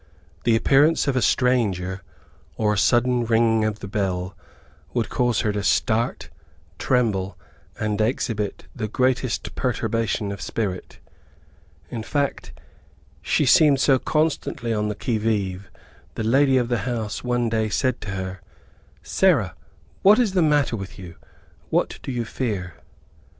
The appearance of a stranger, or a sudden ringing of the bell, would cause her to start, tremble, and exhibit the greatest perturbation of spirit. In fact, she seemed so constantly on the qui vive, the lady of the house one day said to her, "Sarah, what is the matter with you? what do you fear?"